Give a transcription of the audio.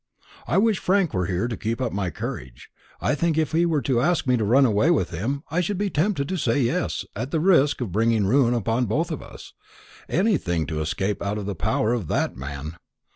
I wish Frank were here to keep up my courage. I think if he were to ask me to run away with him, I should be tempted to say yes, at the risk of bringing ruin upon both of us; anything to escape out of the power of that man.